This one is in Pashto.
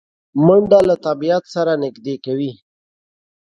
منډه له طبیعت سره نږدې کوي